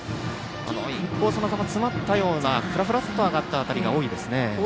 インコースの球詰まったようなふらふらと上がった球が多いですね。